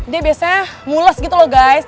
dia biasanya mules gitu loh guys